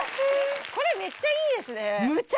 これめっちゃいいですね。